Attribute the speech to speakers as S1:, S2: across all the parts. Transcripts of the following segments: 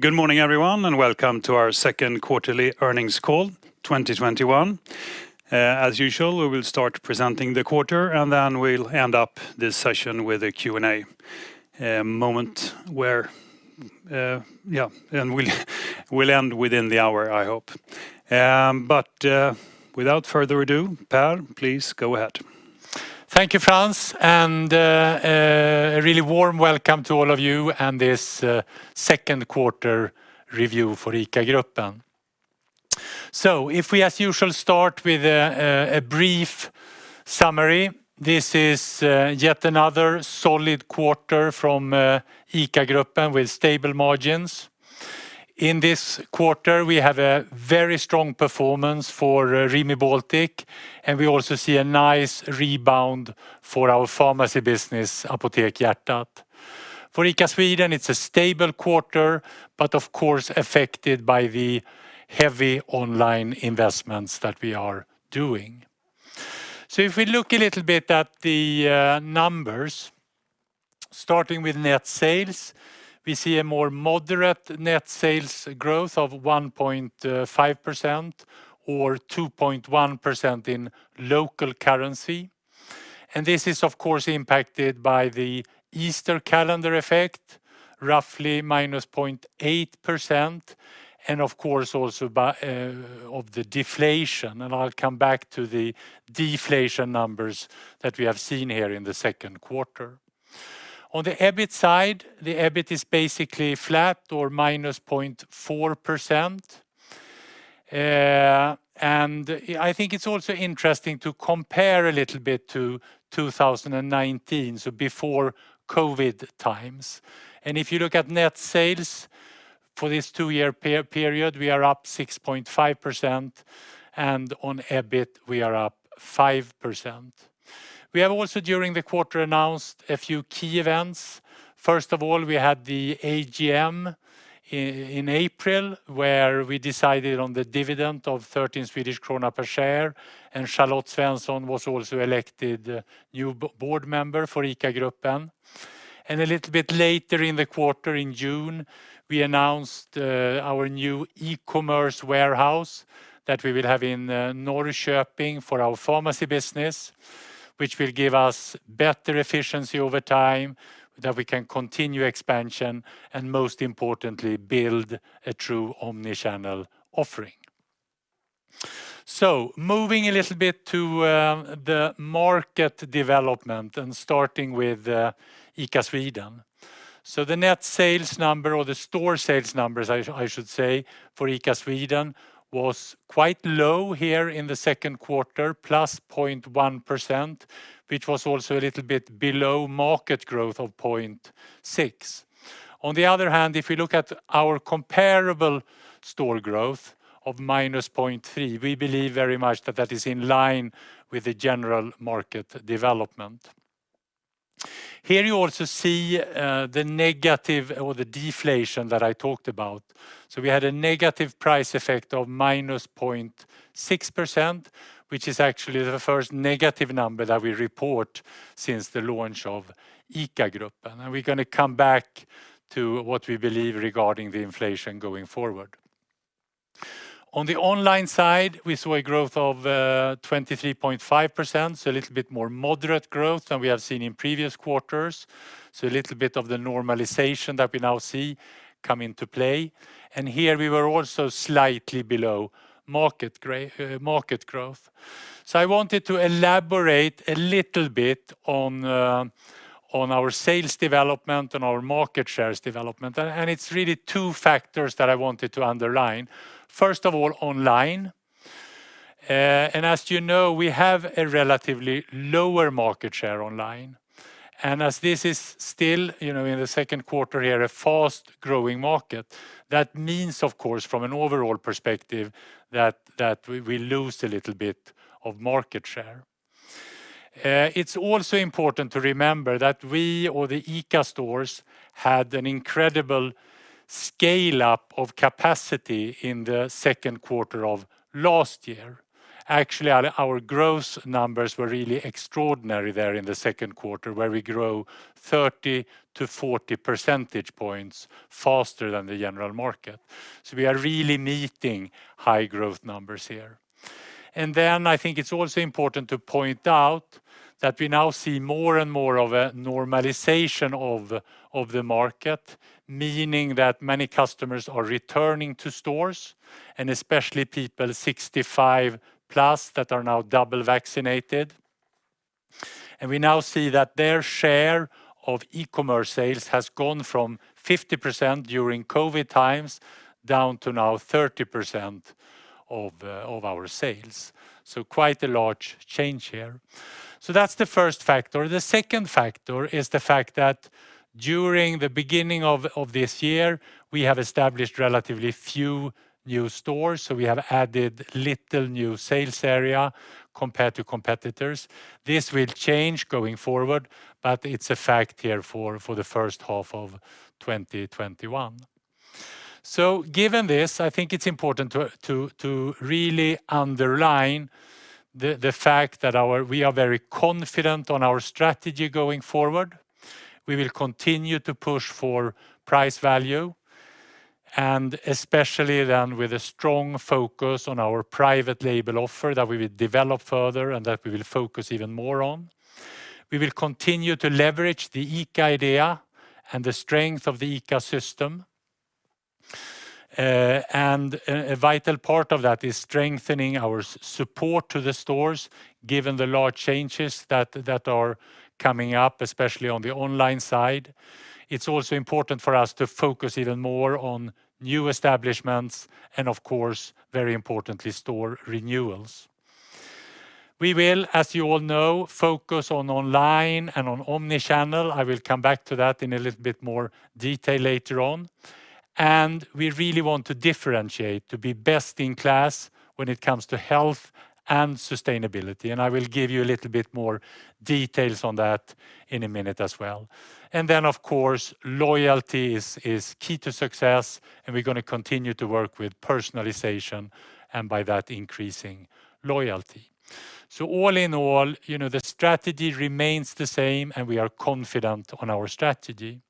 S1: Good morning, everyone, welcome to our second quarterly earnings call 2021. As usual, we will start presenting the quarter and then we'll end up this session with a Q&A moment, and we'll end within the hour, I hope. Without further ado, Per, please go ahead.
S2: Thank you, Frans, a really warm welcome to all of you on this second quarter review for ICA Gruppen. If we, as usual, start with a brief summary. This is yet another solid quarter from ICA Gruppen, with stable margins. In this quarter, we have a very strong performance for Rimi Baltic, we also see a nice rebound for our pharmacy business, Apotek Hjärtat. For ICA Sweden, it's a stable quarter, of course, affected by the heavy online investments that we are doing. If we look a little bit at the numbers, starting with net sales, we see a more moderate net sales growth of 1.5% or 2.1% in local currency. This is, of course, impacted by the Easter calendar effect, roughly minus 0.8%, and of course, also by the deflation. I'll come back to the deflation numbers that we have seen here in the second quarter. On the EBIT side, the EBIT is basically flat or -0.4%. I think it's also interesting to compare a little bit to 2019, so before COVID times. If you look at net sales for this two-year period, we are up 6.5%, and on EBIT, we are up 5%. We have also, during the quarter, announced a few key events. First of all, we had the AGM in April where we decided on the dividend of 13 Swedish krona per share, and Charlotte Svensson was also elected new board member for ICA Gruppen. A little bit later in the quarter, in June, we announced our new e-commerce warehouse that we will have in Norrköping for our pharmacy business, which will give us better efficiency over time, that we can continue expansion, and most importantly, build a true omni-channel offering. Moving a little bit to the market development and starting with ICA Sweden. The net sales number, or the store sales numbers, I should say, for ICA Sweden was quite low here in the second quarter, +0.1%, which was also a little bit below market growth of 0.6%. On the other hand, if we look at our comparable store growth of -0.3%, we believe very much that that is in line with the general market development. Here you also see the negative or the deflation that I talked about. We had a negative price effect of -0.6%, which is actually the first negative number that we report since the launch of ICA Gruppen. We're going to come back to what we believe regarding the inflation going forward. On the online side, we saw a growth of 23.5%, so a little bit more moderate growth than we have seen in previous quarters. A little bit of the normalization that we now see come into play. Here we were also slightly below market growth. I wanted to elaborate a little bit on our sales development and our market shares development, and it's really two factors that I wanted to underline. First of all, online. As you know, we have a relatively lower market share online. As this is still, in the second quarter here, a fast-growing market, that means, of course, from an overall perspective, that we lose a little bit of market share. It is also important to remember that we or the ICA stores had an incredible scale-up of capacity in the second quarter of last year. Actually, our growth numbers were really extraordinary there in the second quarter, where we grew 30-40 percentage points faster than the general market. We are really meeting high growth numbers here. Then I think it is also important to point out that we now see more and more of a normalization of the market, meaning that many customers are returning to stores, and especially people 65 plus that are now double vaccinated. We now see that their share of e-commerce sales has gone from 50% during COVID times down to now 30% of our sales. Quite a large change here. That is the first factor. The second factor is the fact that during the beginning of this year, we have established relatively few new stores. We have added little new sales area compared to competitors. This will change going forward, but it is a fact here for the first half of 2021. Given this, I think it is important to really underline the fact that we are very confident on our strategy going forward. We will continue to push for price value, and especially then with a strong focus on our private label offer that we will develop further and that we will focus even more on. We will continue to leverage the ICA idea and the strength of the ICA system. A vital part of that is strengthening our support to the stores, given the large changes that are coming up, especially on the online side. It's also important for us to focus even more on new establishments and of course, very importantly, store renewals. We will, as you all know, focus on online and on omni-channel. I will come back to that in a little bit more detail later on. We really want to differentiate to be best in class when it comes to health and sustainability, and I will give you a little bit more details on that in a minute as well. Then, of course, loyalty is key to success, and we're going to continue to work with personalization and by that, increasing loyalty. All in all, the strategy remains the same, and we are confident on our strategy.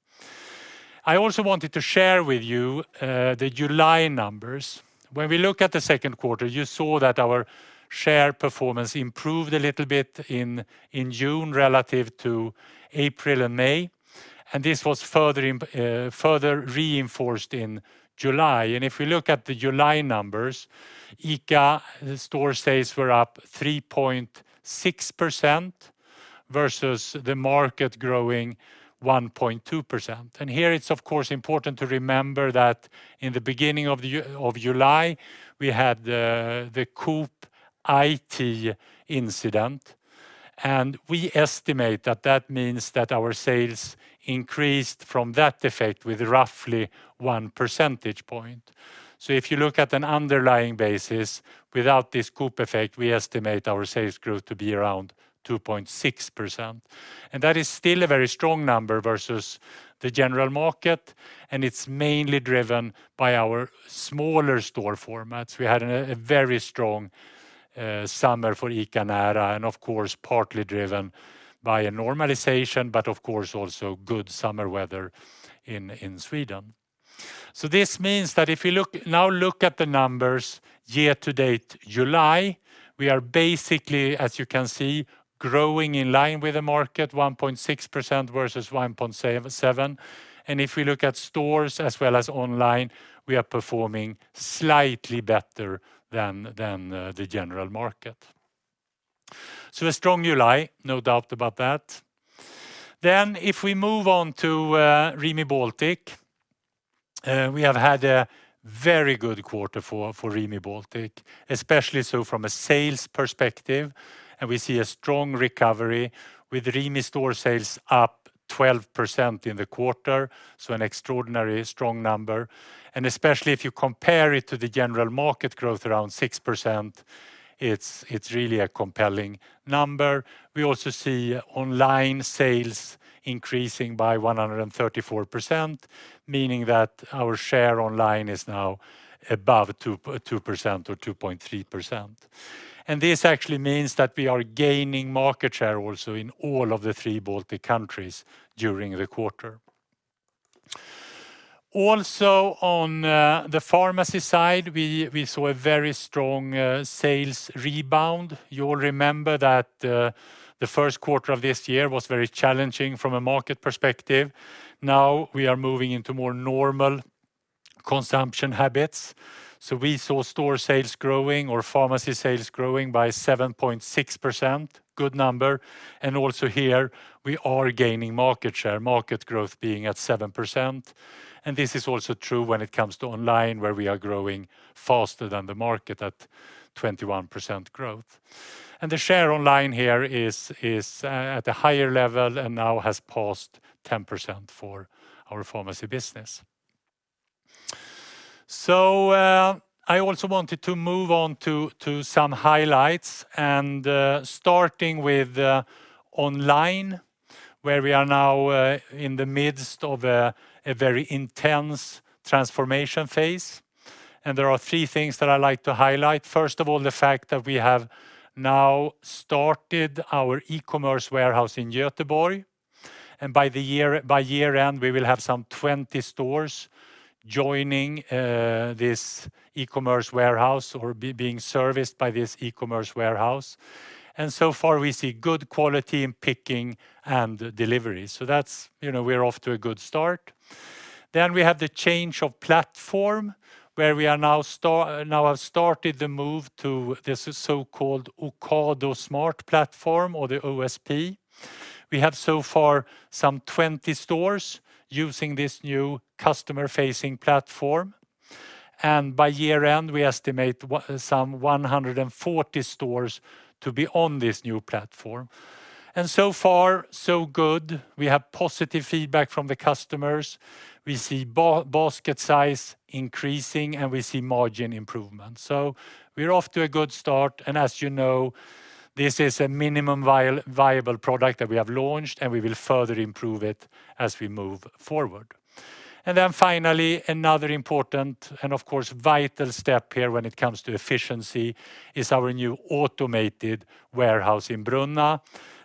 S2: I also wanted to share with you the July numbers. When we look at the second quarter, you saw that our share performance improved a little bit in June relative to April and May. This was further reinforced in July. If we look at the July numbers, ICA store sales were up 3.6% versus the market growing 1.2%. Here it's of course important to remember that in the beginning of July, we had the Coop IT incident, and we estimate that that means that our sales increased from that effect with roughly one percentage point. So if you look at an underlying basis, without this Coop effect, we estimate our sales growth to be around 2.6%. That is still a very strong number versus the general market, and it's mainly driven by our smaller store formats. We had a very strong summer for ICA Nära and of course partly driven by a normalization but of course also good summer weather in Sweden. This means that if we now look at the numbers year to date July, we are basically, as you can see, growing in line with the market 1.6% versus 1.7%. If we look at stores as well as online, we are performing slightly better than the general market. A strong July, no doubt about that. If we move on to Rimi Baltic. We have had a very good quarter for Rimi Baltic, especially so from a sales perspective, and we see a strong recovery with Rimi store sales up 12% in the quarter, so an extraordinarily strong number. Especially if you compare it to the general market growth around 6%, it's really a compelling number. We also see online sales increasing by 134%, meaning that our share online is now above 2% or 2.3%. This actually means that we are gaining market share also in all of the three Baltic countries during the quarter. Also on the pharmacy side, we saw a very strong sales rebound. You all remember that the first quarter of this year was very challenging from a market perspective. Now we are moving into more normal consumption habits. We saw store sales growing or pharmacy sales growing by 7.6%. Good number. Also here, we are gaining market share, market growth being at 7%. This is also true when it comes to online, where we are growing faster than the market at 21% growth. The share online here is at a higher level and now has passed 10% for our pharmacy business. I also wanted to move on to some highlights and starting with online, where we are now in the midst of a very intense transformation phase. There are three things that I'd like to highlight. First of all, the fact that we have now started our e-commerce warehouse in Göteborg, and by year-end, we will have some 20 stores joining this e-commerce warehouse or being serviced by this e-commerce warehouse. So far, we see good quality in picking and delivery. We're off to a good start. We have the change of platform, where we now have started the move to this so-called Ocado Smart Platform or the OSP. We have so far some 20 stores using this new customer-facing platform, and by year-end, we estimate some 140 stores to be on this new platform. So far, so good. We have positive feedback from the customers. We see basket size increasing, and we see margin improvement. We're off to a good start, and as you know, this is a minimum viable product that we have launched, and we will further improve it as we move forward. Finally, another important and of course vital step here when it comes to efficiency is our new automated warehouse in Brunna.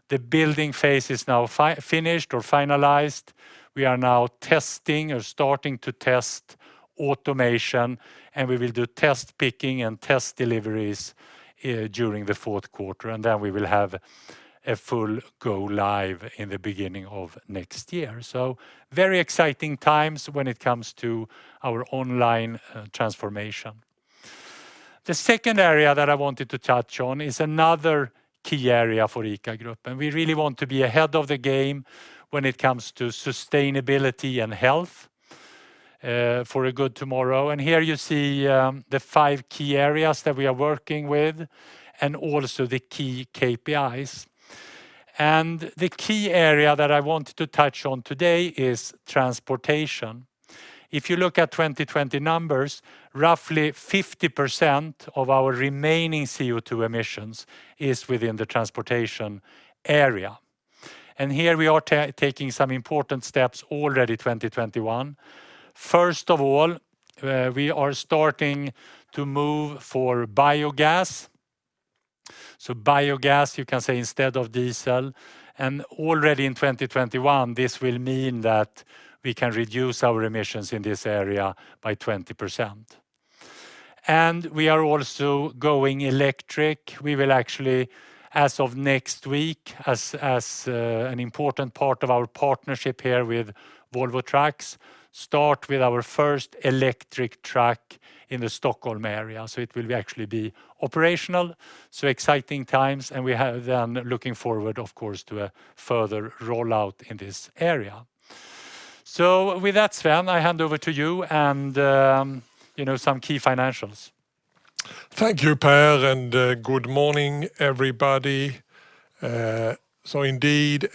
S2: The building phase is now finished or finalized. We are now testing or starting to test automation, and we will do test picking and test deliveries during the fourth quarter. We will have a full go live in the beginning of next year. Very exciting times when it comes to our online transformation. The second area that I wanted to touch on is another key area for ICA Gruppen. We really want to be ahead of the game when it comes to sustainability and health for a good tomorrow. Here you see the five key areas that we are working with and also the key KPIs. The key area that I want to touch on today is transportation. If you look at 2020 numbers, roughly 50% of our remaining CO2 emissions is within the transportation area. Here we are taking some important steps already 2021. First of all, we are starting to move for biogas. Biogas, you can say, instead of diesel, and already in 2021, this will mean that we can reduce our emissions in this area by 20%. We are also going electric. We will actually, as of next week, as an important part of our partnership here with Volvo Trucks, start with our first electric truck in the Stockholm area. It will actually be operational, so exciting times, and we are then looking forward, of course, to a further rollout in this area. With that, Sven, I hand over to you and some key financials.
S3: Thank you, Per. Good morning, everybody. Indeed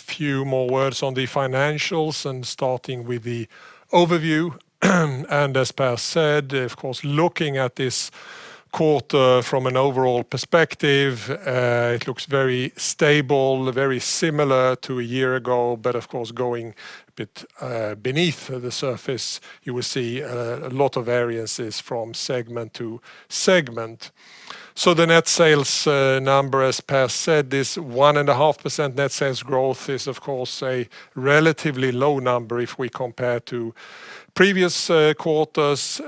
S3: a few more words on the financials and starting with the overview. As Per said, of course, looking at this quarter from an overall perspective, it looks very stable, very similar to a year ago. Of course, going a bit beneath the surface, you will see a lot of variances from segment to segment. The net sales number, as Per said, this 1.5% net sales growth is of course a relatively low number if we compare to previous quarters,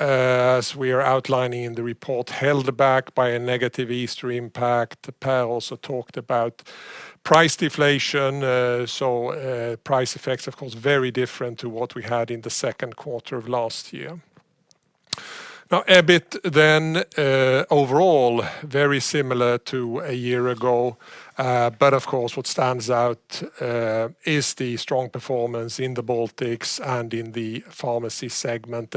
S3: as we are outlining in the report, held back by a negative Easter impact. Per also talked about price deflation. Price effects, of course, very different to what we had in the second quarter of last year. EBIT, overall, very similar to a year ago. Of course, what stands out is the strong performance in the Baltics and in the pharmacy segment.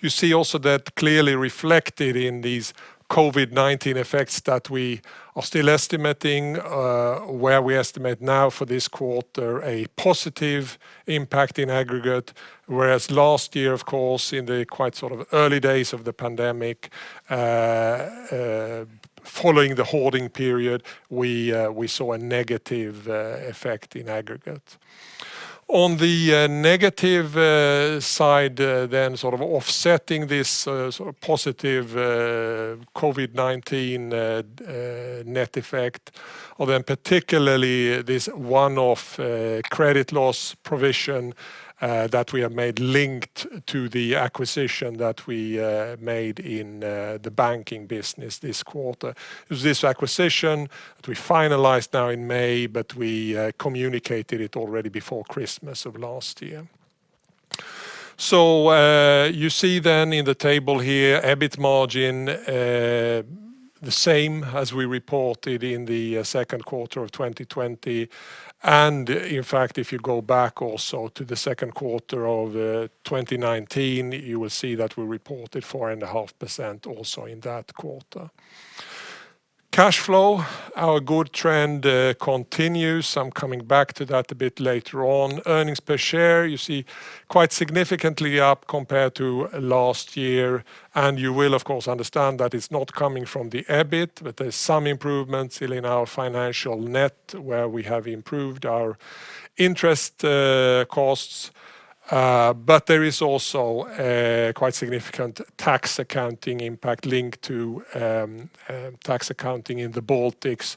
S3: You see also that clearly reflected in these COVID-19 effects that we are still estimating where we estimate now for this quarter a positive impact in aggregate, whereas last year, of course, in the quite early days of the pandemic following the hoarding period, we saw a negative effect in aggregate. On the negative side then offsetting this positive COVID-19 net effect particularly this one-off credit loss provision that we have made linked to the acquisition that we made in the banking business this quarter. It was this acquisition that we finalized now in May, but we communicated it already before Christmas of last year. You see in the table here, EBIT margin, the same as we reported in the second quarter of 2020. In fact, if you go back also to the second quarter of 2019, you will see that we reported 4.5% also in that quarter. Cash flow, our good trend continues. I'm coming back to that a bit later on. Earnings per share, you see quite significantly up compared to last year, and you will of course understand that it's not coming from the EBIT, but there's some improvements in our financial net where we have improved our interest costs. There is also a quite significant tax accounting impact linked to tax accounting in the Baltics.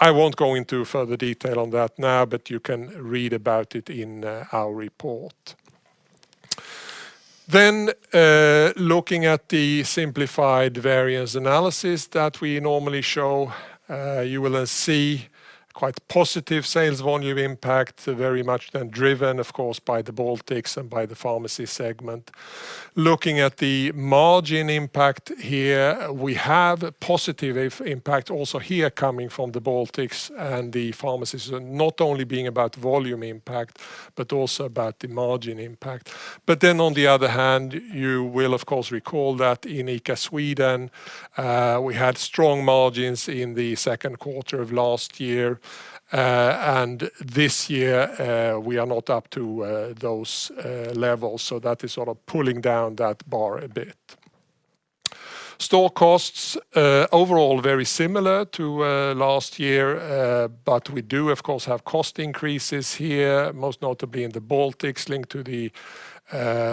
S3: I won't go into further detail on that now, but you can read about it in our report. Looking at the simplified variance analysis that we normally show, you will see quite positive sales volume impact, very much driven of course by the Baltics and by the pharmacy segment. Looking at the margin impact here, we have positive impact also here coming from the Baltics and the pharmacies not only being about volume impact but also about the margin impact. On the other hand, you will of course recall that in ICA Sweden, we had strong margins in the second quarter of last year. This year, we are not up to those levels, so that is sort of pulling down that bar a bit. Store costs overall very similar to last year but we do of course have cost increases here, most notably in the Baltics linked to the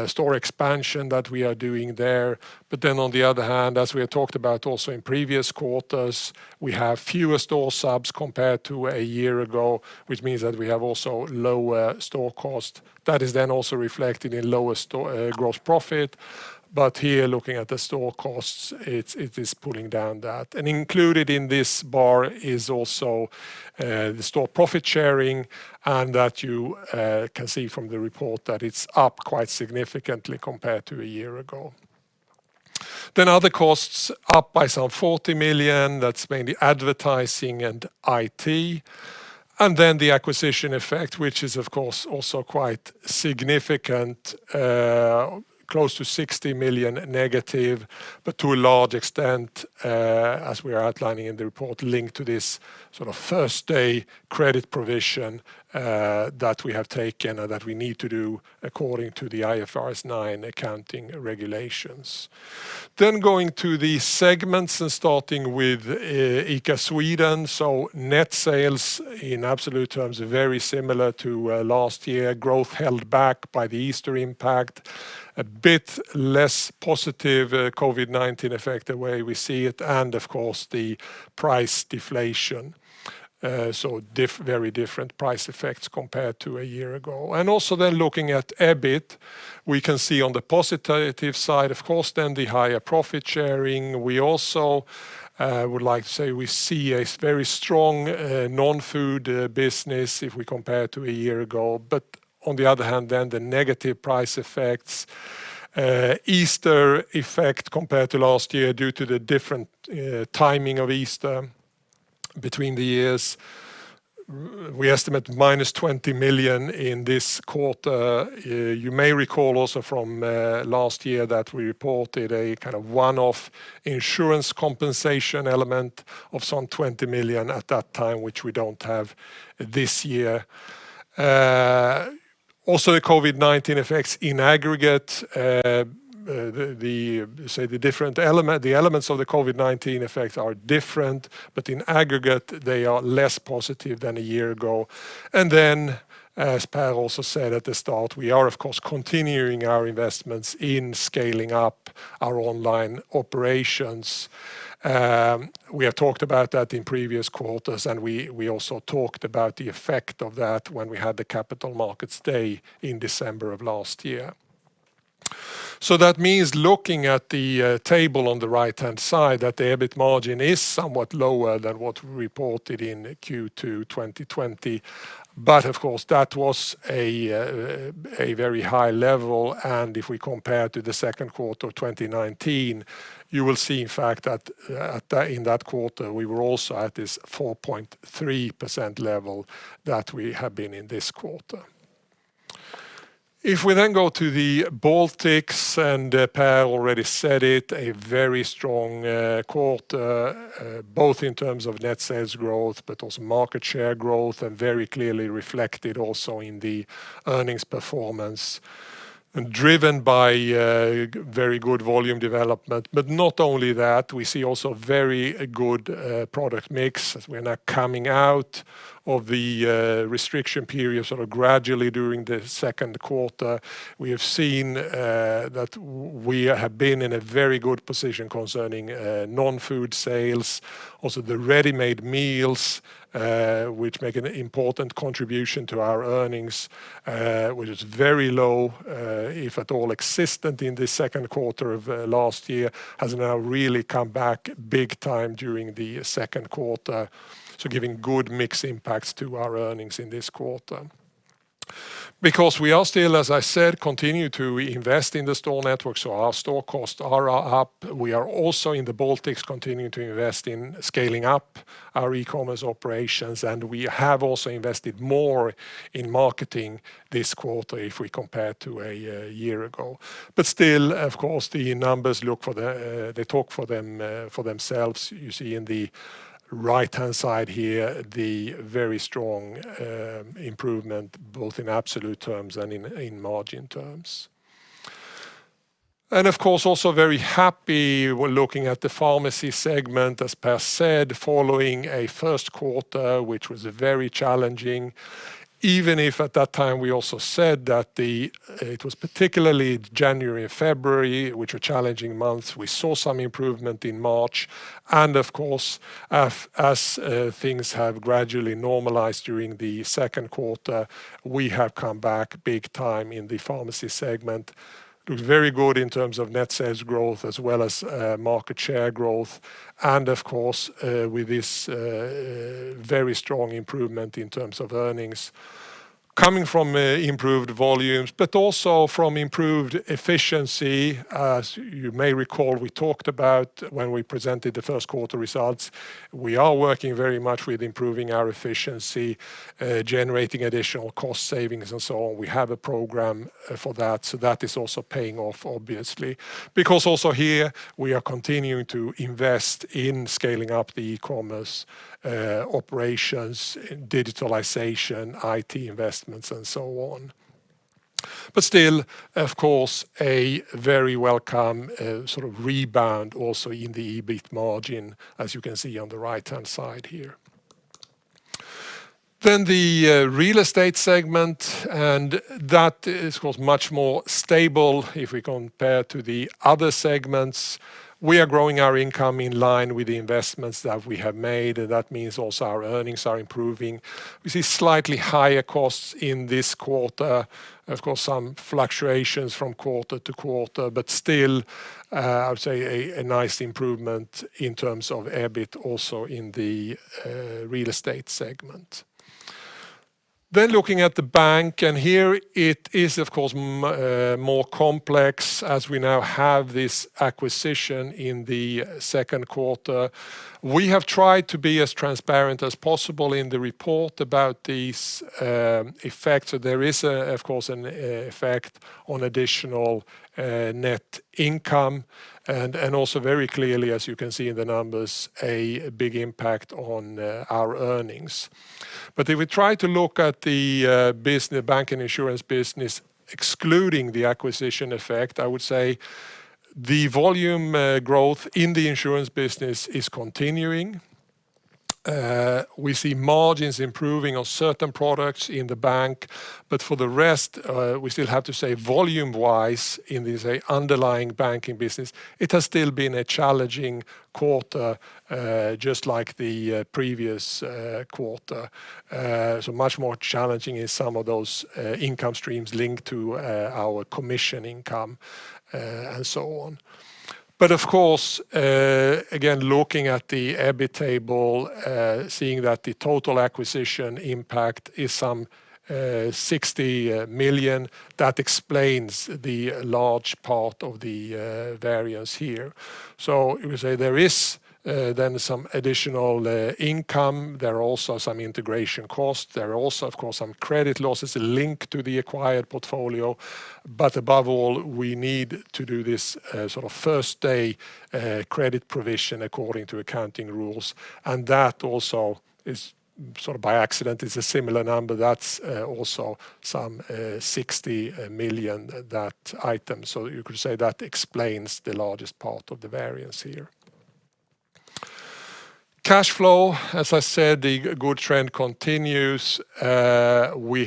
S3: store expansion that we are doing there. On the other hand, as we have talked about also in previous quarters, we have fewer store subs compared to a year ago, which means that we have also lower store cost. That is also reflected in lower gross profit. Here, looking at the store costs, it is pulling down that. Included in this bar is also the store profit sharing, and that you can see from the report that it's up quite significantly compared to a year ago. Other costs up by some 40 million. That's mainly advertising and IT. The acquisition effect, which is of course also quite significant, close to 60 million negative, but to a large extent, as we are outlining in the report, linked to this sort of first-day credit provision that we have taken and that we need to do according to the IFRS 9 accounting regulations. Going to the segments and starting with ICA Sweden. Net sales in absolute terms are very similar to last year. Growth held back by the Easter impact. A bit less positive COVID-19 effect the way we see it, and of course the price deflation. Very different price effects compared to a year ago. Looking at EBIT, we can see on the positive side, of course, then the higher profit sharing. We also would like to say we see a very strong non-food business if we compare to a year ago. On the other hand then, the negative price effects. Easter effect compared to last year due to the different timing of Easter between the years. We estimate minus 20 million in this quarter. You may recall also from last year that we reported a kind of one-off insurance compensation element of some 20 million at that time, which we don't have this year. Also, the COVID-19 effects in aggregate. The elements of the COVID-19 effects are different, but in aggregate they are less positive than a year ago. Then as Per also said at the start, we are of course continuing our investments in scaling up our online operations. We have talked about that in previous quarters, and we also talked about the effect of that when we had the Capital Markets Day in December of last year. That means looking at the table on the right-hand side, that the EBIT margin is somewhat lower than what we reported in Q2 2020. Of course, that was a very high level, and if we compare to the second quarter of 2019, you will see in fact that in that quarter, we were also at this 4.3% level that we have been in this quarter. If we then go to the Baltics, and Per already said it, a very strong quarter, both in terms of net sales growth but also market share growth, and very clearly reflected also in the earnings performance driven by very good volume development. Not only that, we see also very good product mix as we are now coming out of the restriction period sort of gradually during the second quarter. We have seen that we have been in a very good position concerning non-food sales. Also the ready-made meals, which make an important contribution to our earnings, which is very low, if at all existent in the second quarter of last year, has now really come back big time during the second quarter. Giving good mix impacts to our earnings in this quarter. We are still, as I said, continue to invest in the store network, so our store costs are up. We are also in the Baltics continuing to invest in scaling up our e-commerce operations, and we have also invested more in marketing this quarter if we compare to a year ago. Still, of course, the numbers, they talk for themselves. You see in the right-hand side here the very strong improvement, both in absolute terms and in margin terms. Of course, also very happy looking at the pharmacy segment, as Per said, following a first quarter, which was very challenging. Even if at that time we also said that it was particularly January and February which were challenging months. We saw some improvement in March, of course, as things have gradually normalized during the second quarter, we have come back big time in the pharmacy segment. Looked very good in terms of net sales growth as well as market share growth, of course, with this very strong improvement in terms of earnings coming from improved volumes but also from improved efficiency. As you may recall, we talked about when we presented the first quarter results, we are working very much with improving our efficiency, generating additional cost savings and so on. We have a program for that. That is also paying off, obviously. Also here, we are continuing to invest in scaling up the e-commerce operations, digitalization, IT investments and so on. Still, of course, a very welcome rebound also in the EBIT margin, as you can see on the right-hand side here. The real estate segment, that is much more stable if we compare to the other segments. We are growing our income in line with the investments that we have made, and that means also our earnings are improving. We see slightly higher costs in this quarter. Of course, some fluctuations from quarter to quarter. Still, I would say a nice improvement in terms of EBIT also in the real estate segment. Looking at the bank, here it is more complex as we now have this acquisition in the second quarter. We have tried to be as transparent as possible in the report about these effects. There is, of course, an effect on additional net income and also very clearly, as you can see in the numbers, a big impact on our earnings. If we try to look at the bank and insurance business, excluding the acquisition effect, I would say the volume growth in the insurance business is continuing. We see margins improving on certain products in the bank. For the rest, we still have to say volume-wise in this underlying banking business, it has still been a challenging quarter, just like the previous quarter. Much more challenging in some of those income streams linked to our commission income and so on. Of course, again, looking at the EBIT table, seeing that the total acquisition impact is some 60 million, that explains the large part of the variance here. You could say there is then some additional income. There are also some integration costs. There are also, of course, some credit losses linked to the acquired portfolio. Above all, we need to do this first-day credit provision according to accounting rules, and that also is by accident a similar number that's also some 60 million, that item. You could say that explains the largest part of the variance here. Cash flow, as I said, the good trend continues. We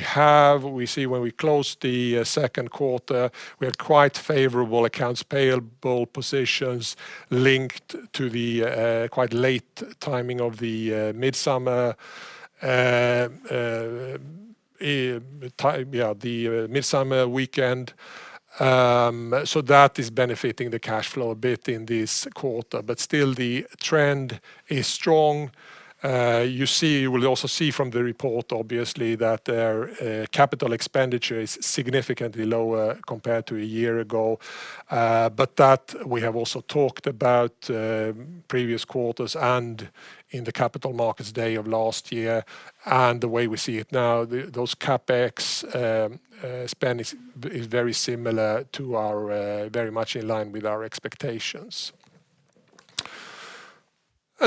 S3: see when we close the second quarter, we had quite favorable accounts payable positions linked to the quite late timing of the Midsummer weekend. That is benefiting the cash flow a bit in this quarter, but still the trend is strong. You will also see from the report, obviously, that their capital expenditure is significantly lower compared to a year ago. That we have also talked about previous quarters and in the Capital Markets Day of last year. The way we see it now, those CapEx spend is very much in line with our expectations.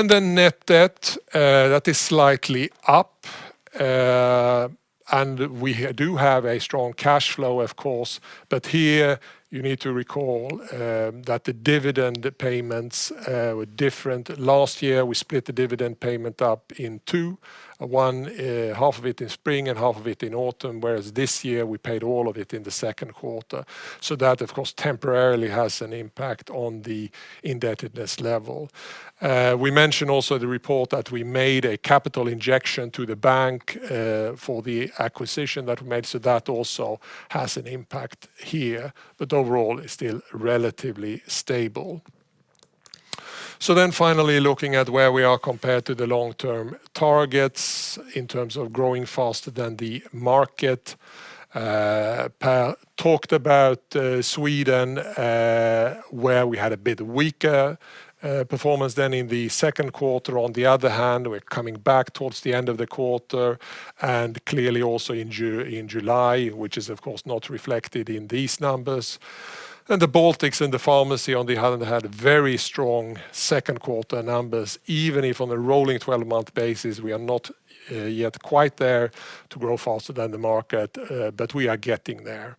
S3: Net debt, that is slightly up. We do have a strong cash flow, of course, but here you need to recall that the dividend payments were different. Last year, we split the dividend payment up in two, one half of it in spring and half of it in autumn, whereas this year, we paid all of it in the second quarter. That, of course, temporarily has an impact on the indebtedness level. We mentioned also the report that we made a capital injection to the bank for the acquisition that we made. That also has an impact here, but overall is still relatively stable. Finally, looking at where we are compared to the long-term targets in terms of growing faster than the market. Per talked about Sweden, where we had a bit weaker performance than in the second quarter. On the other hand, we're coming back towards the end of the quarter, and clearly also in July, which is of course not reflected in these numbers. The Baltics and the pharmacy, on the other hand, had very strong second quarter numbers, even if on a rolling 12-month basis, we are not yet quite there to grow faster than the market, but we are getting there.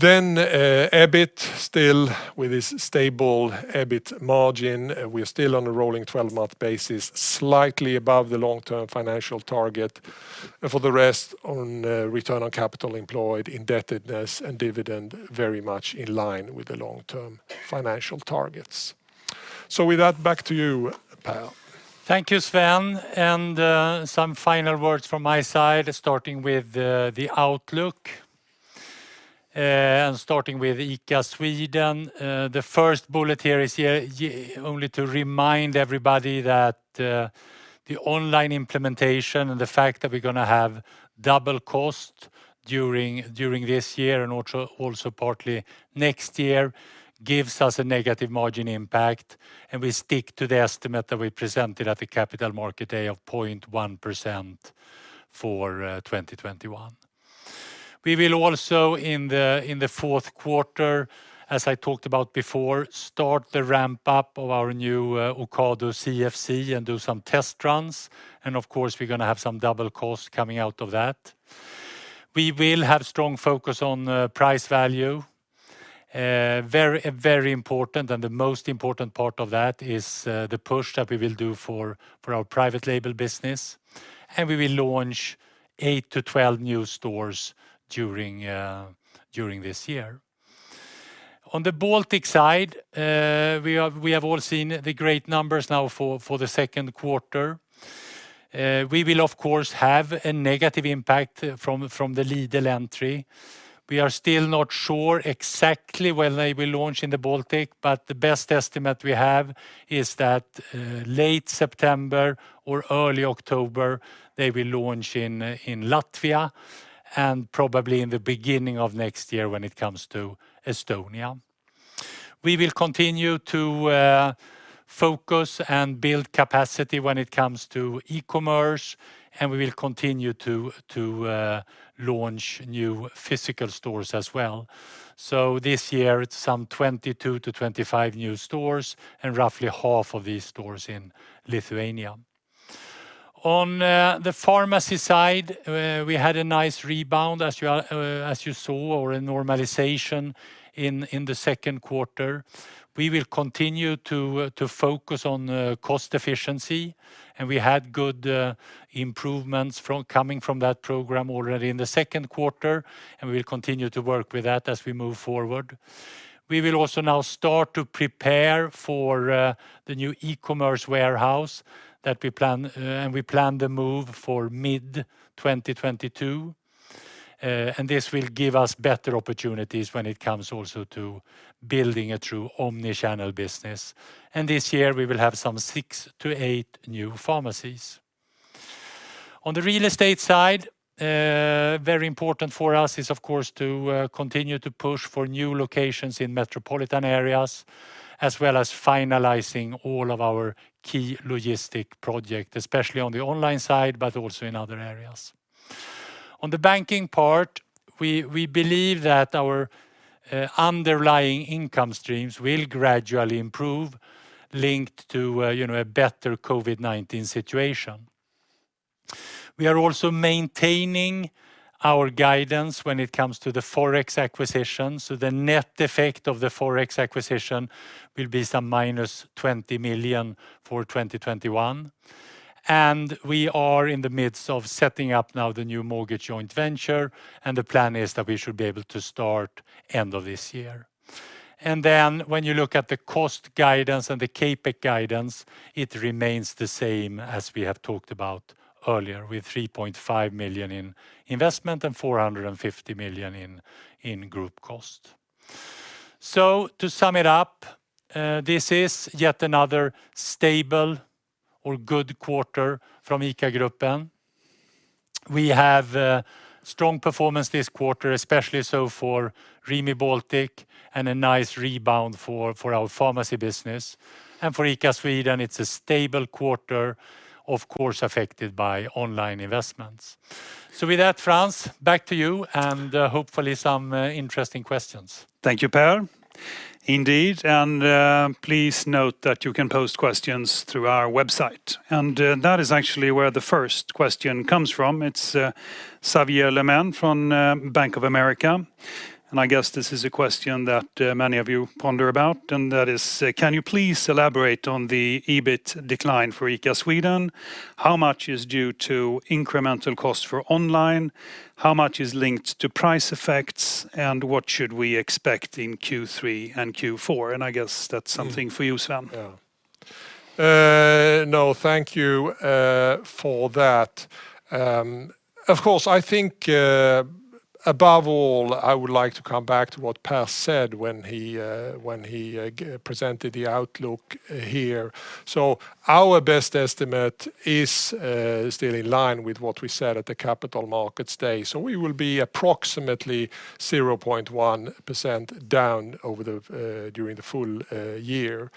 S3: EBIT still with this stable EBIT margin. We're still on a rolling 12-month basis, slightly above the long-term financial target. For the rest on return on capital employed, indebtedness, and dividend very much in line with the long-term financial targets. With that, back to you, Per.
S2: Thank you, Sven. Some final words from my side, starting with the outlook and starting with ICA Sweden. The first bullet here is only to remind everybody that the online implementation and the fact that we're going to have double cost during this year and also partly next year gives us a negative margin impact, and we stick to the estimate that we presented at the Capital Markets Day of 0.1% for 2021. We will also in the fourth quarter, as I talked about before, start the ramp-up of our new Ocado CFC and do some test runs, and of course, we're going to have some double costs coming out of that. We will have strong focus on price value. Very important, and the most important part of that is the push that we will do for our private label business. We will launch 8-12 new stores during this year. On the Baltic side, we have all seen the great numbers now for the second quarter. We will of course have a negative impact from the Lidl entry. We are still not sure exactly when they will launch in the Baltic, but the best estimate we have is that late September or early October, they will launch in Latvia and probably in the beginning of next year when it comes to Estonia. We will continue to focus and build capacity when it comes to e-commerce, and we will continue to launch new physical stores as well. This year it's some 22-25 new stores and roughly half of these stores in Lithuania. On the pharmacy side, we had a nice rebound as you saw, or a normalization in the second quarter. We will continue to focus on cost efficiency, and we had good improvements coming from that program already in the second quarter, and we will continue to work with that as we move forward. We will also now start to prepare for the new e-commerce warehouse, and we plan the move for mid-2022. This will give us better opportunities when it comes also to building a true omni-channel business. This year we will have some six to eight new pharmacies. On the real estate side, very important for us is of course to continue to push for new locations in metropolitan areas, as well as finalizing all of our key logistic project, especially on the online side, but also in other areas. On the banking part, we believe that our underlying income streams will gradually improve, linked to a better COVID-19 situation. We are also maintaining our guidance when it comes to the FOREX acquisition. The net effect of the FOREX acquisition will be some minus 20 million for 2021. We are in the midst of setting up now the new mortgage joint venture, and the plan is that we should be able to start end of this year. When you look at the cost guidance and the CapEx guidance, it remains the same as we have talked about earlier, with 3.5 million in investment and 450 million in group cost. To sum it up, this is yet another stable or good quarter from ICA Gruppen. We have strong performance this quarter, especially so for Rimi Baltic and a nice rebound for our pharmacy business. For ICA Sweden, it's a stable quarter, of course affected by online investments. With that, Frans, back to you and hopefully some interesting questions.
S1: Thank you, Per. Indeed, please note that you can pose questions through our website. That is actually where the first question comes from. It's Xavier Lemaire from Bank of America. I guess this is a question that many of you ponder about, and that is: Can you please elaborate on the EBIT decline for ICA Sweden? How much is due to incremental costs for online? How much is linked to price effects? What should we expect in Q3 and Q4? I guess that's something for you, Sven.
S2: Yeah.
S3: No, thank you for that. Of course, I think above all, I would like to come back to what Per said when he presented the outlook here. Our best estimate is still in line with what we said at the Capital Markets Day. We will be approximately 0.1% down during the full year.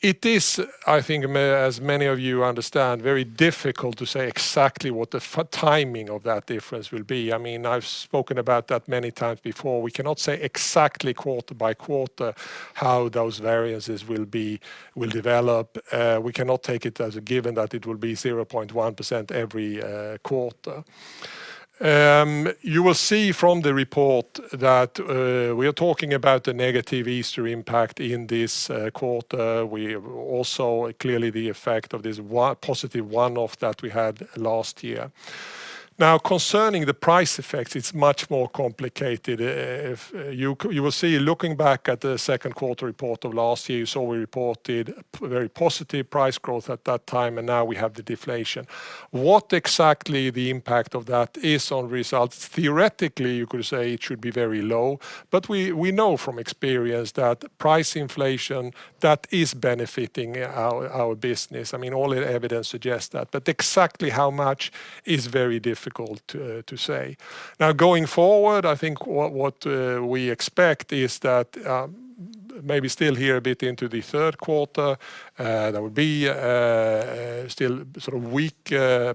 S3: It is, I think as many of you understand, very difficult to say exactly what the timing of that difference will be. I've spoken about that many times before. We cannot say exactly quarter by quarter how those variances will develop. We cannot take it as a given that it will be 0.1% every quarter. You will see from the report that we are talking about the negative Easter impact in this quarter. Also, clearly the effect of this positive one-off that we had last year. Concerning the price effect, it's much more complicated. You will see, looking back at the second quarter report of last year, you saw we reported very positive price growth at that time, and now we have the deflation. What exactly the impact of that is on results? Theoretically, you could say it should be very low, but we know from experience that price inflation, that is benefiting our business. All evidence suggests that. Exactly how much is very difficult to say. Now going forward, I think what we expect is that maybe still here a bit into the third quarter, there will be still sort of weak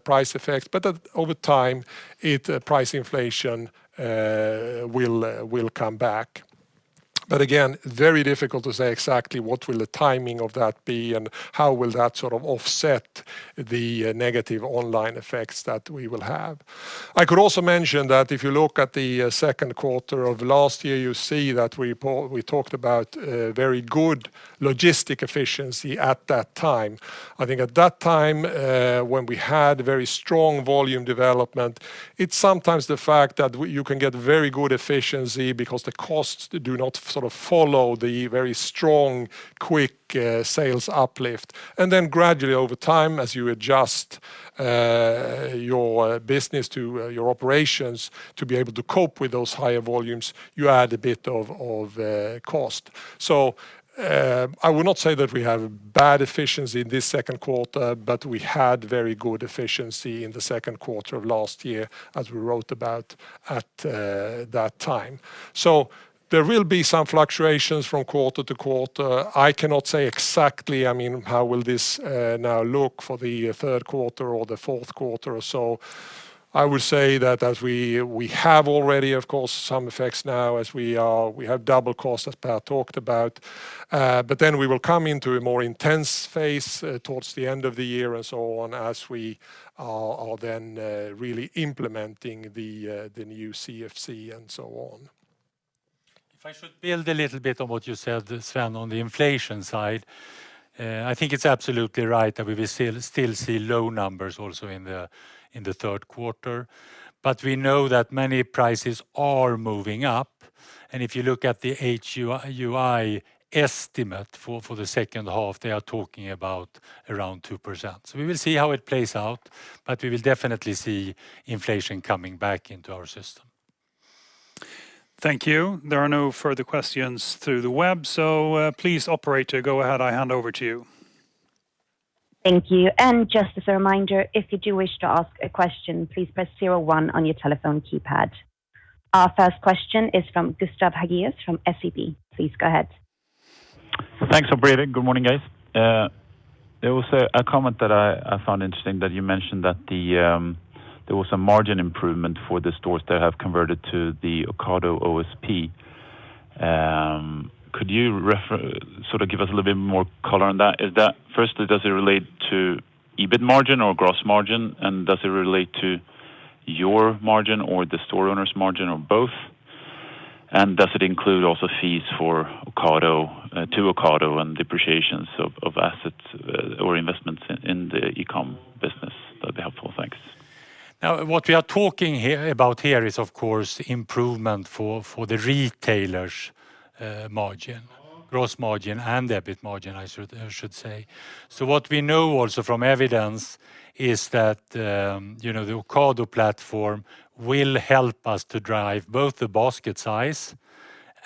S3: price effects. Over time, price inflation will come back. Again, very difficult to say exactly what will the timing of that be and how will that sort of offset the negative online effects that we will have. I could also mention that if you look at the second quarter of last year, you see that we talked about very good logistic efficiency at that time. I think at that time, when we had very strong volume development, it's sometimes the fact that you can get very good efficiency because the costs do not follow the very strong, quick sales uplift. Gradually over time, as you adjust your business to your operations to be able to cope with those higher volumes, you add a bit of cost. I will not say that we have bad efficiency in this second quarter, but we had very good efficiency in the second quarter of last year, as we wrote about at that time. There will be some fluctuations from quarter to quarter. I cannot say exactly how will this now look for the third quarter or the fourth quarter or so. I would say that as we have already, of course, some effects now as we have double cost, as Per talked about. We will come into a more intense phase towards the end of the year and so on, as we are then really implementing the new CFC and so on.
S2: If I should build a little bit on what you said, Sven, on the inflation side, I think it's absolutely right that we will still see low numbers also in the third quarter. We know that many prices are moving up, and if you look at the HUI estimate for the second half, they are talking about around 2%. We will see how it plays out, but we will definitely see inflation coming back into our system.
S1: Thank you. There are no further questions through the web, so please operator, go ahead. I hand over to you.
S4: Thank you. Just as a reminder, if you do wish to ask a question, please press 01 on your telephone keypad. Our first question is from Gustav Hagéus from SEB. Please go ahead.
S5: Thanks, operator. Good morning, guys. There was a comment that I found interesting that you mentioned that there was a margin improvement for the stores that have converted to the Ocado OSP. Could you sort of give us a little bit more color on that? Firstly, does it relate to EBIT margin or gross margin? Does it relate to your margin or the store owner's margin or both? Does it include also fees to Ocado and depreciations of assets or investments in the e-com business? That'd be helpful. Thanks.
S2: What we are talking about here is, of course, improvement for the retailer's margin, gross margin, and the EBIT margin, I should say. What we know also from evidence is that the Ocado platform will help us to drive both the basket size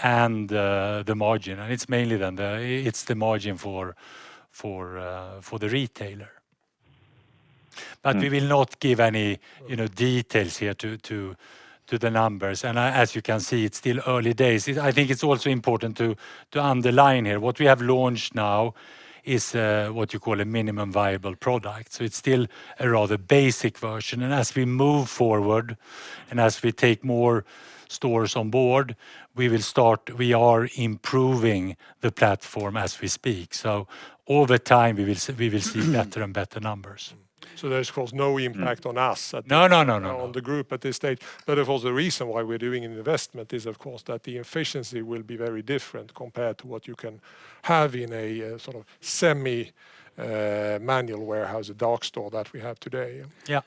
S2: and the margin. It's mainly then it's the margin for the retailer. We will not give any details here to the numbers. As you can see, it's still early days. I think it's also important to underline here, what we have launched now is what you call a minimum viable product. It's still a rather basic version. As we move forward and as we take more stores on board, we are improving the platform as we speak. Over time, we will see better and better numbers.
S3: There is, of course, no impact on us.
S2: No
S3: on the group at this stage. Of course, the reason why we're doing an investment is, of course, that the efficiency will be very different compared to what you can have in a sort of semi-manual warehouse, a dark store that we have today.
S2: Yeah.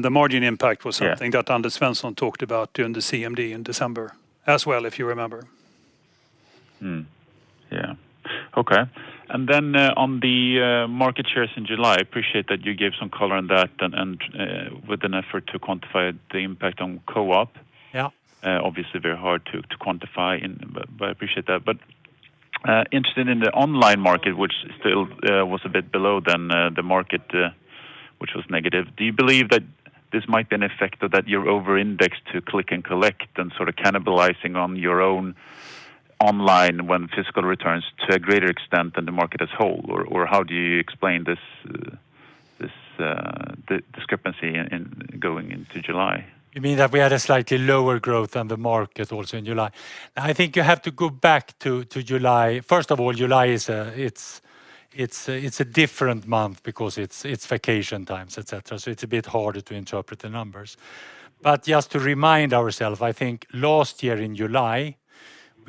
S1: The margin impact was something that Anders Svensson talked about during the CMD in December as well, if you remember.
S5: Mm-hmm. Yeah. Okay. On the market shares in July, I appreciate that you gave some color on that and with an effort to quantify the impact on Coop.
S2: Yeah.
S5: Obviously very hard to quantify but I appreciate that. Interested in the online market, which still was a bit below the market, which was negative. Do you believe that this might be an effect that you're over-indexed to click and collect and sort of cannibalizing on your own online when physical returns to a greater extent than the market as whole? How do you explain this discrepancy going into July?
S2: You mean that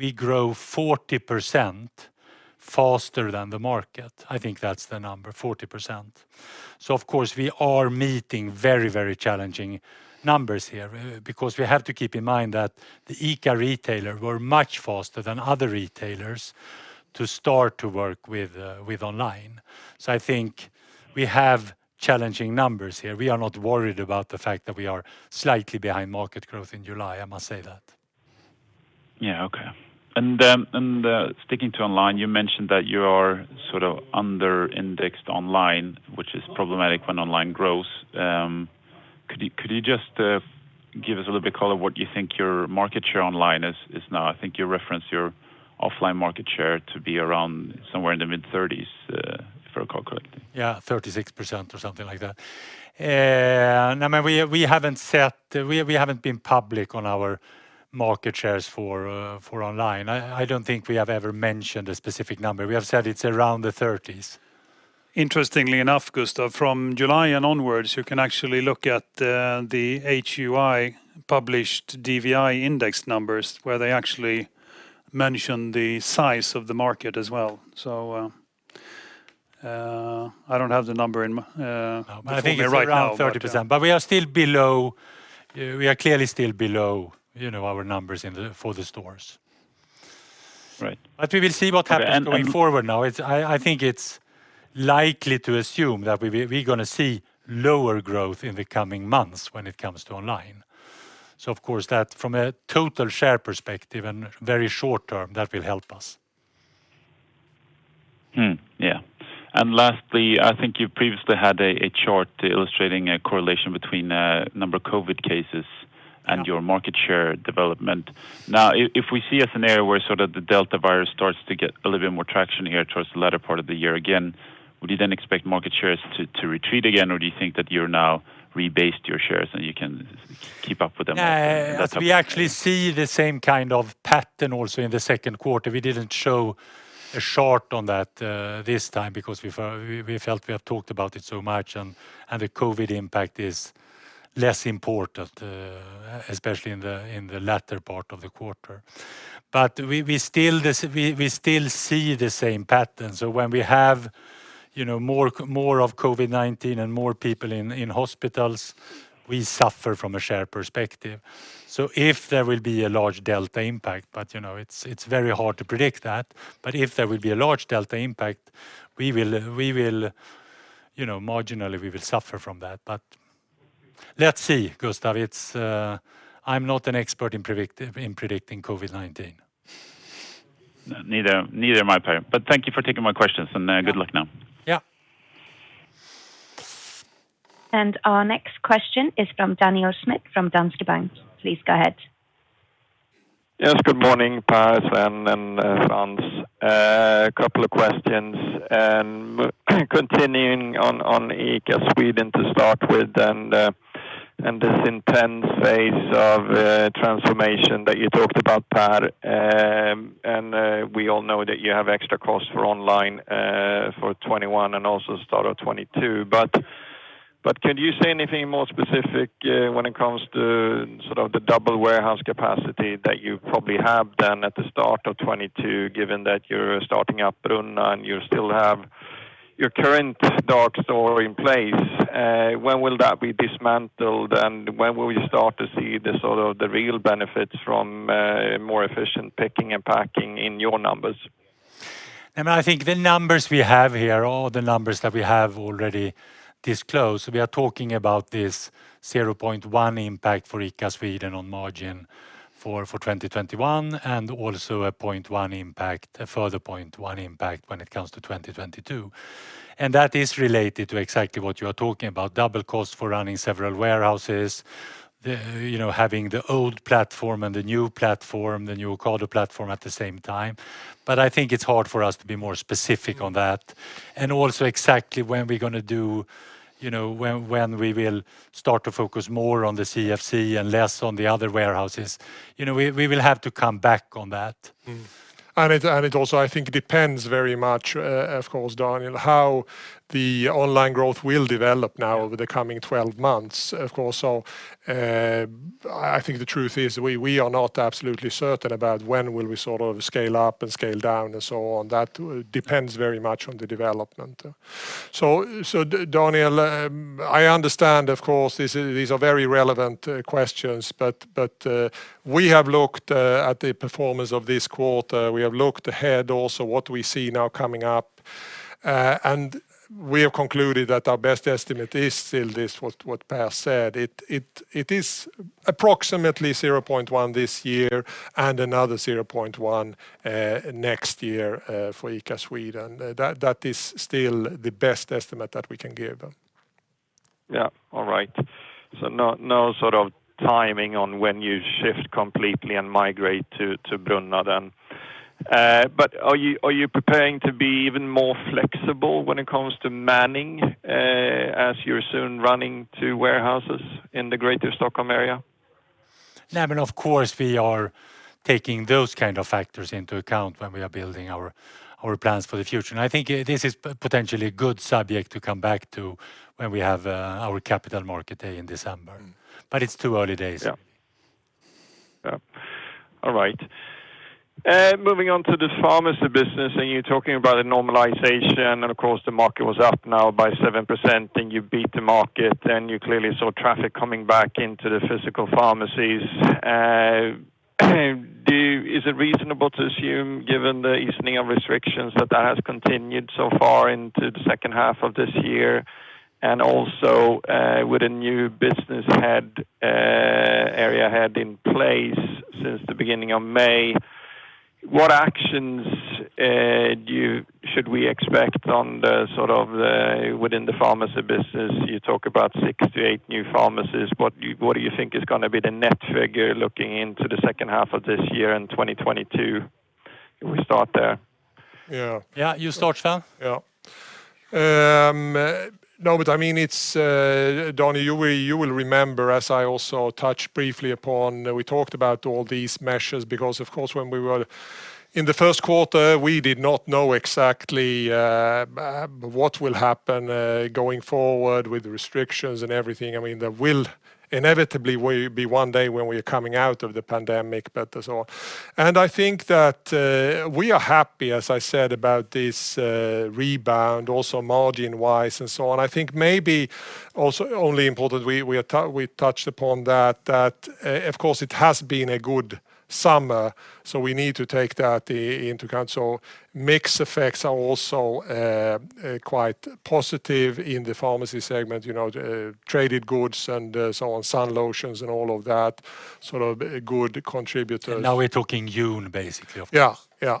S2: we had a slightly lower growth than the market also in July? I think you have to go back to July. First of all, July it's a different month because it's vacation times, et cetera. It's a bit harder to interpret the numbers. Just to remind ourselves, I think last year in July, we grew 40% faster than the market. I think that's the number, 40%. Of course, we are meeting very challenging numbers here because we have to keep in mind that the ICA retailer were much faster than other retailers to start to work with online. I think we have challenging numbers here. We are not worried about the fact that we are slightly behind market growth in July, I must say that.
S5: Yeah. Okay. Sticking to online, you mentioned that you are sort of under-indexed online, which is problematic when online grows. Could you just give us a little bit color what you think your market share online is now? I think you referenced your offline market share to be around somewhere in the mid-30s. If I recall correctly.
S2: Yeah, 36% or something like that. We haven't been public on our market shares for online. I don't think we have ever mentioned a specific number. We have said it's around the 30s.
S1: Interestingly enough, Gustav, from July and onwards, you can actually look at the HUI published DVI index numbers where they actually mention the size of the market as well. I don't have the number in my.
S2: I think you're right around 30%. We are clearly still below our numbers for the stores.
S5: Right.
S2: We will see what happens going forward now. I think it is likely to assume that we are going to see lower growth in the coming months when it comes to online. Of course, from a total share perspective and very short term, that will help us.
S5: Yeah. Lastly, I think you previously had a chart illustrating a correlation between number of COVID-19 cases and your market share development. Now, if we see a scenario where the Delta variant starts to get a little bit more traction here towards the latter part of the year again, would you then expect market shares to retreat again, or do you think that you're now rebased your shares and you can keep up with them?
S2: We actually see the same kind of pattern also in the second quarter. We didn't show a chart on that this time because we felt we have talked about it so much and the COVID-19 impact is less important, especially in the latter part of the quarter. We still see the same pattern. When we have more COVID-19 and more people in hospitals, we suffer from a share perspective. If there will be a large Delta impact, but it's very hard to predict that, but if there will be a large Delta impact, marginally we will suffer from that. Let's see, Gustav. I'm not an expert in predicting COVID-19.
S5: Neither am I Per. Thank you for taking my questions and good luck now.
S2: Yeah.
S4: Our next question is from Daniel Schmidt from Danske Bank. Please go ahead.
S6: Yes, good morning, Per, Sven and Frans. A couple of questions. Continuing on ICA Sweden to start with and this intense phase of transformation that you talked about, Per, and we all know that you have extra costs for online for 2021 and also start of 2022. Can you say anything more specific when it comes to the double warehouse capacity that you probably have then at the start of 2022, given that you're starting up Brunna and you still have your current dark store in place. When will that be dismantled and when will we start to see the real benefits from more efficient picking and packing in your numbers?
S2: I think the numbers we have here are the numbers that we have already disclosed. We are talking about this 0.1 impact for ICA Sweden on margin for 2021 and also a further 0.1 impact when it comes to 2022. That is related to exactly what you are talking about, double cost for running several warehouses, having the old platform and the new platform, the new Ocado platform at the same time. I think it's hard for us to be more specific on that. Also exactly when we will start to focus more on the CFC and less on the other warehouses. We will have to come back on that.
S3: It also, I think, depends very much, of course, Daniel, how the online growth will develop now over the coming 12 months, of course. I think the truth is we are not absolutely certain about when will we scale up and scale down and so on. That depends very much on the development. Daniel, I understand, of course, these are very relevant questions, but we have looked at the performance of this quarter. We have looked ahead also what we see now coming up. We have concluded that our best estimate is still this, what Per said. It is approximately 0.1 this year and another 0.1 next year for ICA Sweden. That is still the best estimate that we can give.
S6: Yeah. All right. No timing on when you shift completely and migrate to Brunna then. Are you preparing to be even more flexible when it comes to manning as you're soon running two warehouses in the greater Stockholm area?
S2: Of course, we are taking those kinds of factors into account when we are building our plans for the future. I think this is potentially a good subject to come back to when we have our Capital Markets Day in December. It's too early days.
S6: Yeah. All right. Moving on to the pharmacy business, and you're talking about a normalization, and of course, the market was up now by 7%, and you beat the market, and you clearly saw traffic coming back into the physical pharmacies. Is it reasonable to assume, given the easing of restrictions, that that has continued so far into the second half of this year? Also, with a new business head, area head in place since the beginning of May, what actions should we expect within the pharmacy business? You talk about six to eight new pharmacies. What do you think is going to be the net figure looking into the second half of this year and 2022? If we start there.
S3: Yeah.
S2: Yeah, you start, Sven.
S3: Yeah, Daniel, you will remember as I also touched briefly upon, we talked about all these measures because of course when we were in the first quarter, we did not know exactly what will happen going forward with restrictions and everything. There will inevitably be one day when we are coming out of the pandemic. I think that we are happy, as I said, about this rebound also margin-wise and so on. I think maybe also only important we touched upon that, of course, it has been a good summer. We need to take that into account. Mix effects are also quite positive in the pharmacy segment, traded goods and so on, sun lotions and all of that, good contributors.
S2: Now we're talking June, basically.
S3: Yeah.
S2: Yeah.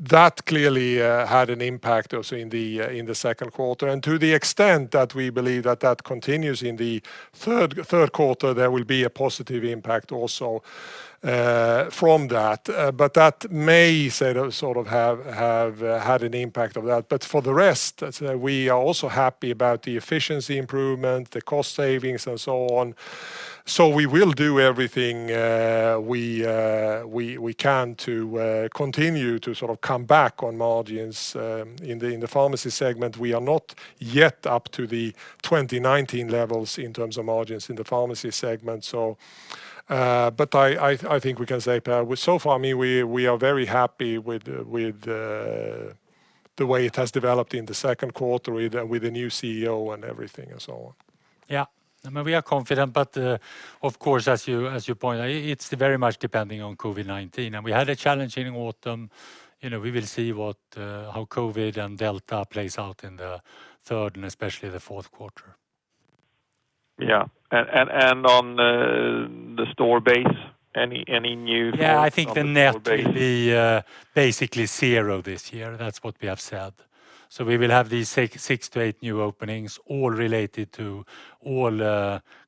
S3: That clearly had an impact also in the second quarter. To the extent that we believe that that continues in the third quarter, there will be a positive impact also from that. That may have had an impact of that. For the rest, we are also happy about the efficiency improvement, the cost savings, and so on. We will do everything we can to continue to come back on margins in the pharmacy segment. We are not yet up to the 2019 levels in terms of margins in the pharmacy segment. I think we can say Per, so far we are very happy with the way it has developed in the second quarter with the new CEO and everything and so on.
S2: Yeah. We are confident, but of course, as you point out, it's very much depending on COVID-19. We had a challenge in autumn, we will see how COVID and Delta plays out in the third and especially the fourth quarter.
S6: Yeah. On the store base, any news on the store base?
S2: I think the net will be basically zero this year. That's what we have said. We will have these six to eight new openings, all related to all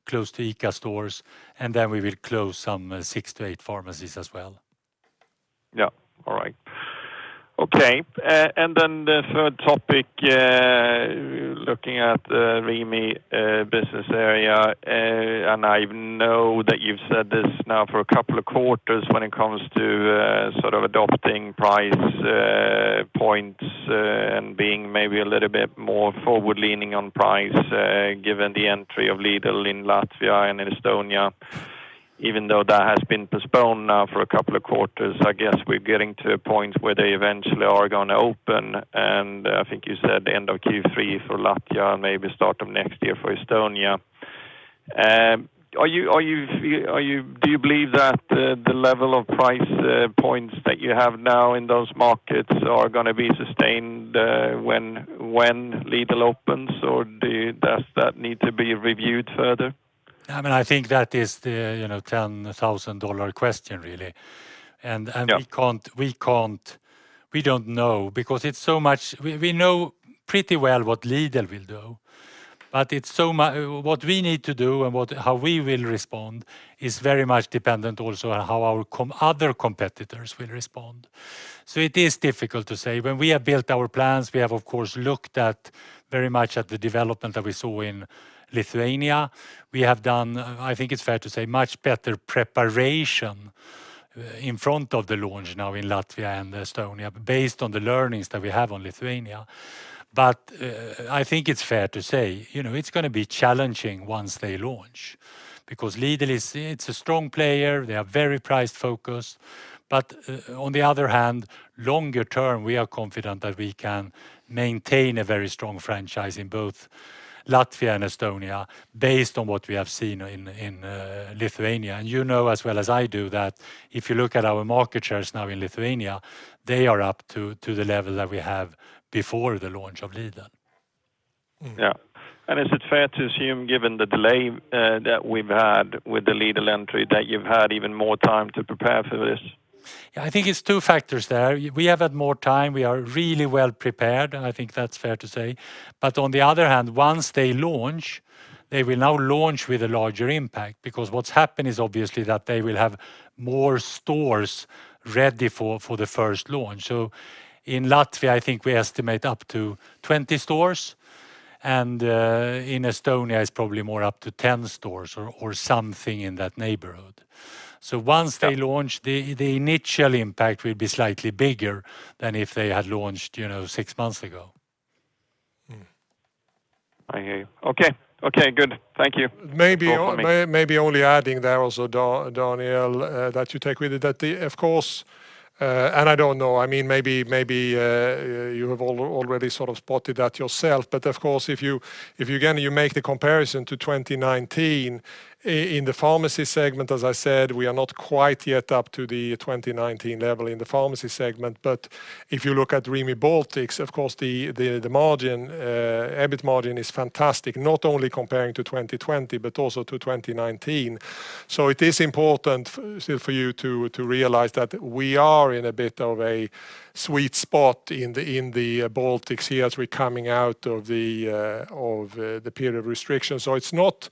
S2: close to ICA stores, and then we will close some six to eight pharmacies as well.
S6: Yeah. All right. Okay. The third topic, looking at the Rimi business area. I know that you've said this now for a couple of quarters when it comes to adopting price points and being maybe a little bit more forward-leaning on price given the entry of Lidl in Latvia and Estonia, even though that has been postponed now for a couple of quarters. I guess we're getting to a point where they eventually are going to open, and I think you said end of Q3 for Latvia and maybe start of next year for Estonia. Do you believe that the level of price points that you have now in those markets are going to be sustained when Lidl opens, or does that need to be reviewed further?
S2: I think that is the ten thousand dollar-question, really.
S6: Yeah.
S2: We don't know because we know pretty well what Lidl will do. What we need to do and how we will respond is very much dependent also on how our other competitors will respond. It is difficult to say. When we have built our plans, we have, of course, looked at very much at the development that we saw in Lithuania. We have done, I think it's fair to say, much better preparation in front of the launch now in Latvia and Estonia based on the learnings that we have on Lithuania. I think it's fair to say it's going to be challenging once they launch because Lidl, it's a strong player. They are very price-focused. On the other hand, longer term, we are confident that we can maintain a very strong franchise in both Latvia and Estonia based on what we have seen in Lithuania. You know as well as I do that if you look at our market shares now in Lithuania, they are up to the level that we have before the launch of Lidl.
S6: Yeah. Is it fair to assume given the delay that we've had with the Lidl entry, that you've had even more time to prepare for this?
S2: I think it's two factors there. We have had more time. We are really well prepared, and I think that's fair to say. On the other hand, once they launch, they will now launch with a larger impact because what's happened is obviously that they will have more stores ready for the first launch. In Latvia, I think we estimate up to 20 stores, and in Estonia, it's probably more up to 10 stores or something in that neighborhood. Once they launch, the initial impact will be slightly bigger than if they had launched six months ago.
S6: I hear you. Okay, good. Thank you.
S3: Maybe only adding there also, Daniel, that you take with it that, of course, and I don't know, maybe you have already spotted that yourself, of course, if you, again, make the comparison to 2019 in the pharmacy segment, as I said, we are not quite yet up to the 2019 level in the pharmacy segment. If you look at Rimi Baltic, of course, the EBIT margin is fantastic, not only comparing to 2020 but also to 2019. It is important still for you to realize that we are in a bit of a sweet spot in the Baltics here as we're coming out of the period of restrictions. It's not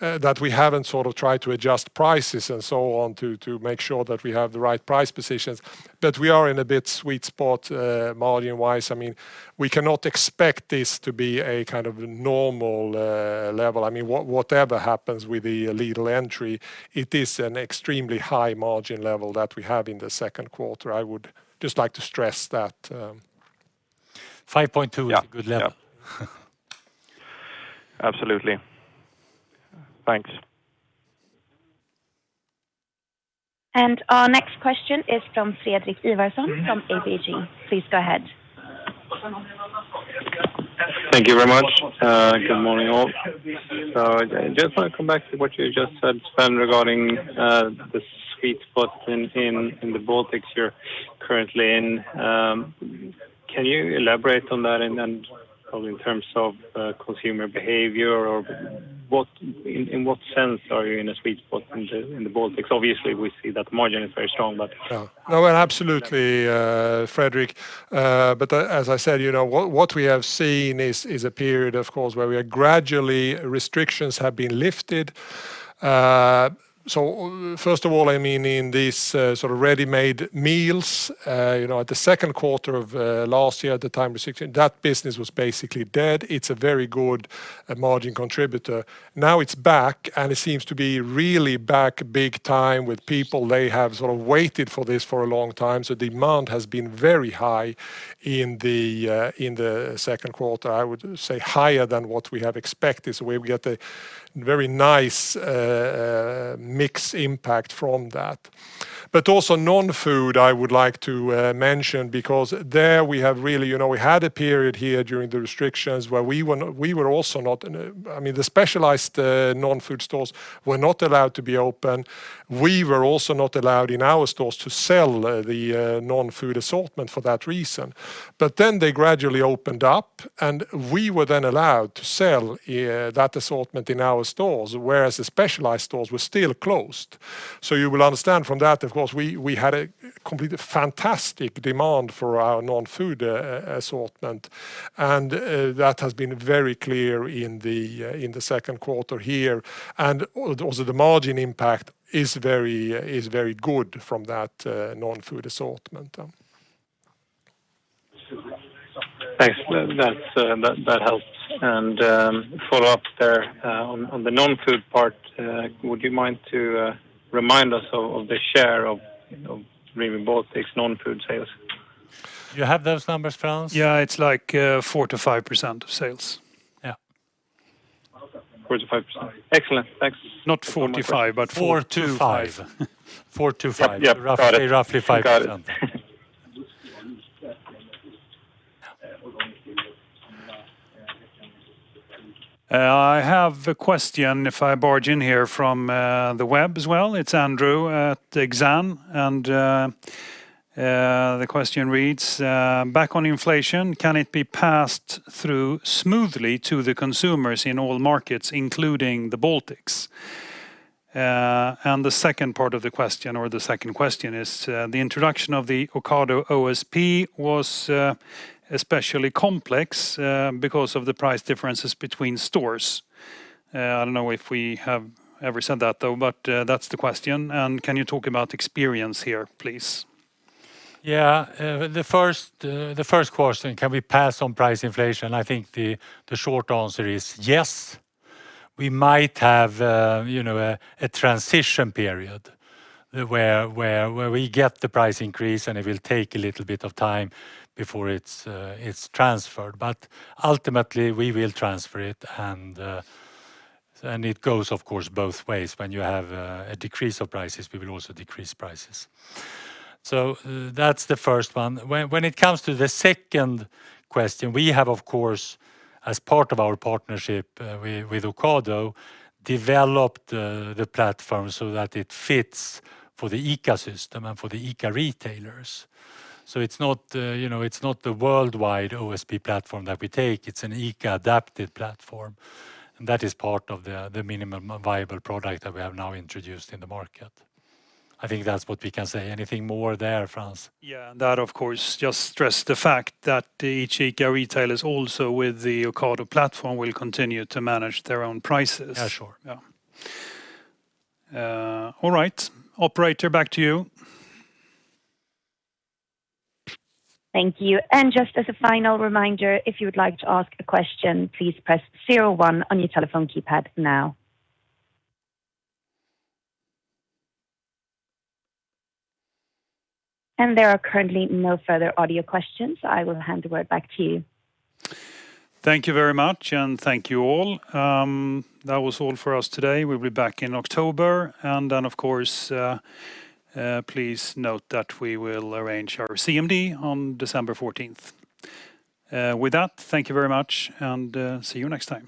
S3: that we haven't tried to adjust prices and so on to make sure that we have the right price positions. We are in a bit sweet spot margin wise. We cannot expect this to be a normal level. Whatever happens with the Lidl entry, it is an extremely high margin level that we have in the second quarter. I would just like to stress that.
S1: 5.2 is a good level.
S3: Yeah.
S6: Absolutely. Thanks.
S4: Our next question is from Fredrik Ivarsson from ABG. Please go ahead.
S7: Thank you very much. Good morning, all. Just want to come back to what you just said, Sven, regarding the sweet spot in the Baltics you're currently in. Can you elaborate on that and in terms of consumer behavior or in what sense are you in a sweet spot in the Baltics? Obviously, we see that margin is very strong.
S3: Absolutely, Fredrik. As I said, what we have seen is a period, of course, where gradually restrictions have been lifted. First of all, in these ready-made meals, at the second quarter of last year at the time of restriction, that business was basically dead. It's a very good margin contributor. Now it's back, and it seems to be really back big time with people. They have waited for this for a long time, demand has been very high in the second quarter. I would say higher than what we have expected, we get a very nice mix impact from that. Also non-food, I would like to mention because there we had a period here during the restrictions where the specialized non-food stores were not allowed to be open. We were also not allowed in our stores to sell the non-food assortment for that reason. They gradually opened up, and we were then allowed to sell that assortment in our stores, whereas the specialized stores were still closed. You will understand from that, of course, we had a completely fantastic demand for our non-food assortment. That has been very clear in the second quarter here. Also the margin impact is very good from that non-food assortment.
S7: Thanks. That helps. Follow up there on the non-food part, would you mind to remind us of the share of Rimi Baltic non-food sales?
S3: You have those numbers, Frans?
S1: Yeah, it's like 4%-5% of sales. Yeah.
S7: 4%-5%. Excellent. Thanks.
S1: Not 45% but 4%-5%.
S3: 4%-5%.
S7: Yep. Got it.
S3: Roughly 5%.
S7: Got it.
S1: I have a question if I barge in here from the web as well. It is Andrew at Exane, and the question reads, "Back on inflation, can it be passed through smoothly to the consumers in all markets, including the Baltics?" The second part of the question or the second question is, "The introduction of the Ocado OSP was especially complex because of the price differences between stores." I do not know if we have ever said that, though, but that is the question. Can you talk about experience here, please?
S3: Yeah. The first question, can we pass on price inflation? I think the short answer is yes. We might have a transition period where we get the price increase, and it will take a little bit of time before it's transferred. Ultimately, we will transfer it, and it goes, of course, both ways. When you have a decrease of prices, we will also decrease prices. That's the first one. When it comes to the second question, we have, of course, as part of our partnership with Ocado, developed the platform so that it fits for the ICA system and for the ICA retailers. It's not the worldwide OSP platform that we take. It's an ICA adapted platform. That is part of the minimum viable product that we have now introduced in the market. I think that's what we can say. Anything more there, Frans?
S1: Yeah, that, of course, just stress the fact that each ICA retailers also with the Ocado platform will continue to manage their own prices.
S3: Yeah, sure.
S1: Yeah. All right. Operator, back to you.
S4: Thank you. Just as a final reminder, if you would like to ask a question, please press zero one on your telephone keypad now. There are currently no further audio questions. I will hand the word back to you.
S1: Thank you very much, and thank you all. That was all for us today. We'll be back in October, and then, of course, please note that we will arrange our CMD on December 14th. With that, thank you very much, and see you next time.